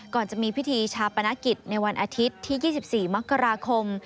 ก่อนจะมีพิธีชาปนกิจในวันอาทิตย์ที่๒๔มกราคม